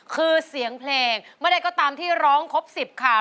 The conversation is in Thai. คือเสียงเพลงมาได้ก็ตามที่ร้องครบ๑๐ค่ะ